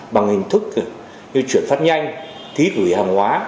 bằng hình thức như chuyển phát nhanh thí thủy hàng hóa